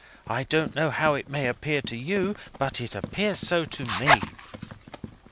I don't know how it may appear to you, but so it appears to me."